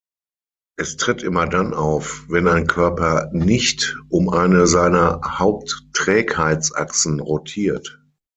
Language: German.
Es tritt immer dann auf, wenn ein Körper "nicht" um eine seiner Hauptträgheitsachsen rotiert.